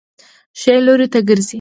ښي لوري ته ګرځئ